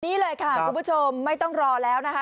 นี่เลยค่ะคุณผู้ชมไม่ต้องรอแล้วนะคะ